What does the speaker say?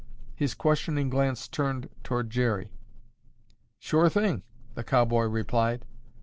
His questioning glance turned toward Jerry. "Sure thing," the cowboy replied.